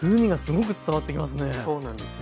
そうなんです。